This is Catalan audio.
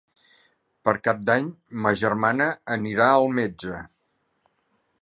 Per Cap d'Any ma germana anirà al metge.